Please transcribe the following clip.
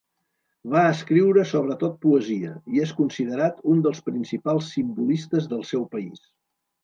Va escriure sobretot poesia i és considerat un dels principals simbolistes del seu país.